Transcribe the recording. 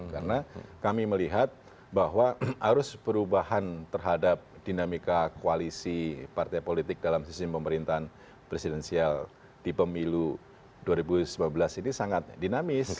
karena kami melihat bahwa arus perubahan terhadap dinamika koalisi partai politik dalam sistem pemerintahan presidensi yang dipemilu dua ribu sembilan belas ini sangat dinamis